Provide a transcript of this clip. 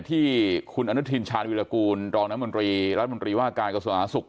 ที่คุณอนุทินชาญวิรากูลรองน้ำมนตรีรัฐมนตรีว่าการกระทรวงอาหารสุข